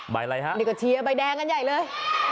อะไรฮะนี่ก็เชียร์ใบแดงกันใหญ่เลย